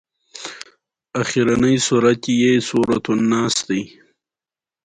د ګیدړې لکۍ اوږده او ښکلې وي